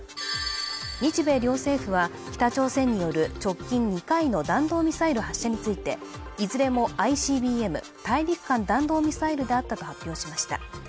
日米両政府は北朝鮮による直近２回の弾道ミサイル発射についていずれもＩＣＢＭ＝大陸間弾道ミサイルだったと発表しました